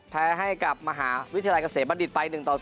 แพ้ให้กับมหาวิทยาลัยเกษมบัณฑิตไป๑ต่อ๐